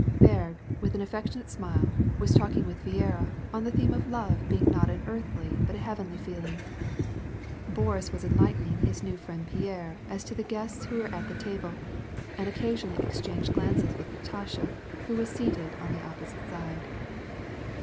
Berg, with an affec tionate smile, was talking with Viera^on the theme of love being not an earthly but a heavenly feeling. Boris was enlightening his new friend Pierre as to the guests who were at the table, and occasionally exchanged glances with Xatasha, whose seat was on the opposite side.